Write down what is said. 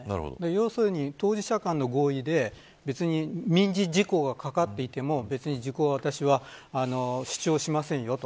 要するに、当事者間の合意で別に民事時効がかかっていても別に時効を私は主張はしませんよと。